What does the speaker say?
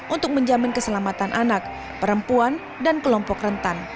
untuk menjamin keselamatan anak perempuan dan kelompok rentan